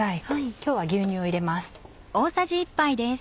今日は牛乳を入れます。